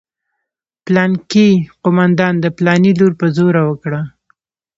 پلانکي قومندان د پلاني لور په زوره وکړه.